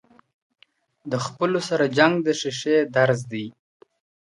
د خپلو سره جنگ د ښيښې درز دئ.